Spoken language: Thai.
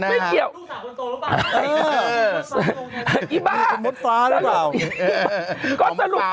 บ้าไม่เกี่ยวนี่ลูกหลังตัวล่ะ